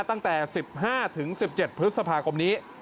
ตั้งแต่๑๕๑๗พฤษภาคมนี้